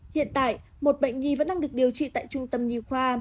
hiện tại một bệnh nhi vẫn đang được điều trị tại trung tâm nhi khoa